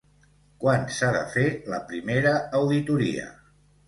Quan s'ha de fer la primera auditoria?